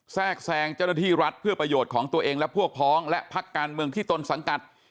แทรกแซงเจ้าหน้าที่รัฐเพื่อประโยชน์ของตัวเองและพวกพ้องและพักการเมืองที่ตนสังกัด